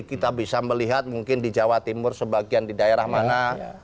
kita bisa melihat mungkin di jawa timur sebagian di daerah mana